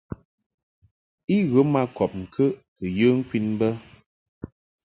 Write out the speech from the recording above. I ghə ma kɔb ŋkəʼ kɨ yə ŋkwin bə.